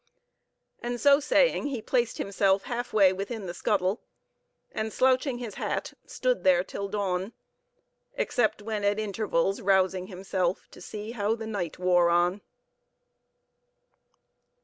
And so saying, he placed himself halfway within the scuttle, and slouching his hat, stood there till dawn, except when at intervals rousing himself to see how the night wore on....